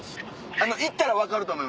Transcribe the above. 行ったら分かると思います。